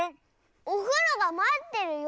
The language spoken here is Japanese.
「おふろがまってるよ」！